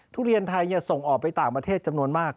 ทุเรียนไทยส่งออกไปต่างประเทศจำนวนมาก